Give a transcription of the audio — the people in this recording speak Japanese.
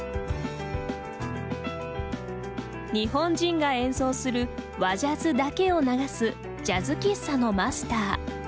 日本人が演奏する和ジャズだけを流すジャズ喫茶のマスター。